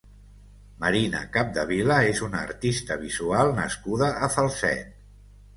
Marina Capdevila és una artista visual nascuda a Falset.